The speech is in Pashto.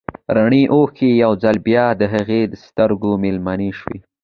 رڼې اوښکې يو ځل بيا د هغې د سترګو مېلمنې شوې.